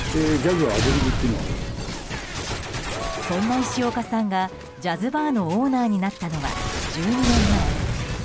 そんな石岡さんがジャズバーのオーナーになったのは１２年前。